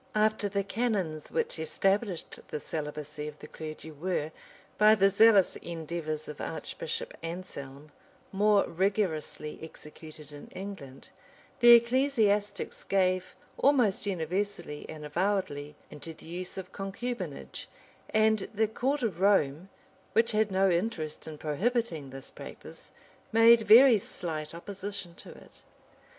[*] After the canons which established the celibacy of the clergy were, by the zealous endeavors of Archbishop Anselrn, more rigorously executed in England, the ecclesiastics gave, almost universally and avowedly, into the use of concubinage and the court of Rome, which had no interest in prohibiting this practice, made very slight opposition to it.